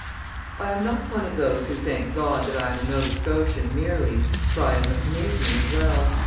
I am not one of those who thank God that I am a Nova Scotian merely, for I am a Canadian as well.